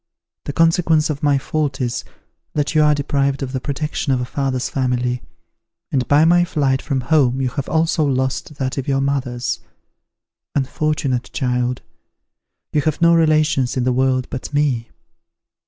The consequence of my fault is, that you are deprived of the protection of a father's family, and by my flight from home you have also lost that of your mother's. Unfortunate child! you have no relations in the world but me!"